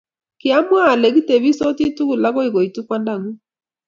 kiamwai ale kitebisoti tugul akoi koitu kwandang'ung